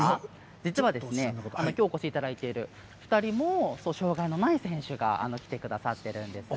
実はきょうお越しいただいている２人も障がいのない選手がきてくださっているんです。